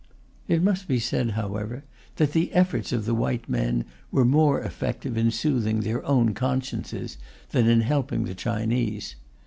It must be said, however, that the efforts of the white men were more effective in soothing their own consciences than in helping the Chinese.